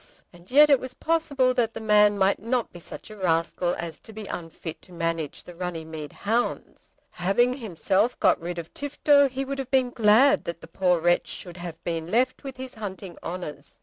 And yet it was possible that the man might not be such a rascal as to be unfit to manage the Runnymede hounds. Having himself got rid of Tifto, he would have been glad that the poor wretch should have been left with his hunting honours.